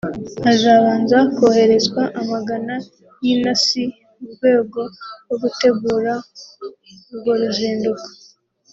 Hazabanza koherezwa amagana y’intasi mu rwego rwo gutegura urwo ruzinduko